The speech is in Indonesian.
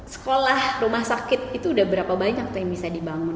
sekolah rumah sakit itu udah berapa banyak tuh yang bisa dibangun